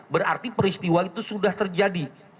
berarti peristiwa itu sudah terjadi